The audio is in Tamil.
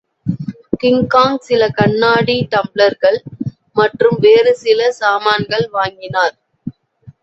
கிங்காங் சில கண்ணாடி டம்ளர்கள் மற்றும் வேறுசில சாமான்கள் வாங்கினார்.